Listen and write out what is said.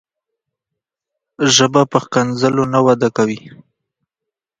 ژبه په ښکنځلو نه وده کوي.